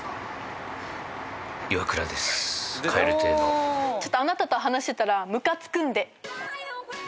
「ちょっとあなたと話してたらムカつくんで」